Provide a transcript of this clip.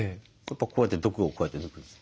こうやって毒をこうやって抜くんです。